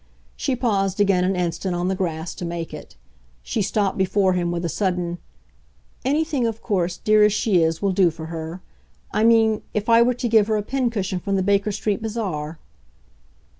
She paused again an instant, on the grass, to make it; she stopped before him with a sudden "Anything of course, dear as she is, will do for her. I mean if I were to give her a pin cushion from the Baker Street Bazaar."